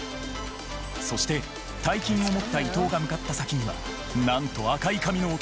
そして大金を持った伊藤が向かった先にはなんと赤い髪の男